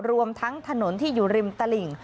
รวมทั้งถนนที่อยู่ริมตลิ่ง